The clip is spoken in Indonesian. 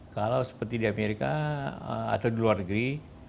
kalau seperti di amerika atau di luar negeri